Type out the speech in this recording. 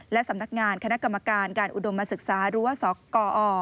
และสำนักงานคณะกรรมการการอุดมศึกษาหรือว่าสกอ